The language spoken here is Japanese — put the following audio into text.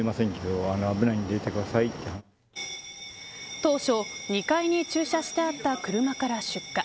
当初、２階に駐車してあった車から出火。